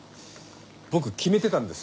僕決めてたんです。